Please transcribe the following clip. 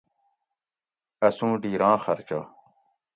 اسوں ڈیراں خرچہ